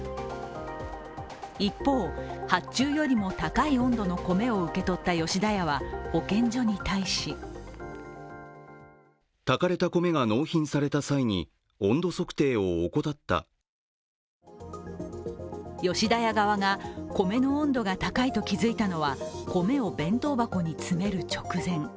一方、発注よりも高い温度の米を受け取った吉田屋は保健所に対し吉田屋側が米の温度が高いと気づいたのは米を弁当箱に詰める直前。